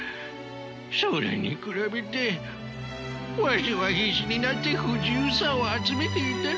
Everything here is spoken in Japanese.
それに比べてわしは必死になって不自由さを集めていたのか。